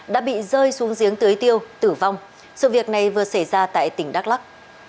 đã bị rơi xuống giếng tưới tiêu tử vong sự việc này vừa xảy ra tại tỉnh đắk lắc